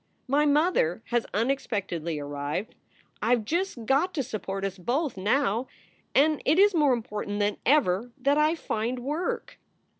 My mother has unexpectedly arrived. I ve just got to support us both now, and it is more important than ever that I find work."